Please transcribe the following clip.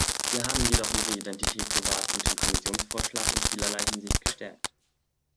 Wir haben jedoch ihre Identität gewahrt und den Kommissionsvorschlag in vielerlei Hinsicht gestärkt.